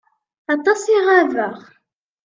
Aṭas i ɣabeɣ.